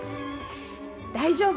大丈夫。